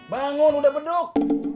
bangun udah beduk